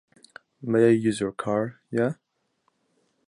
May I use your car, yeah?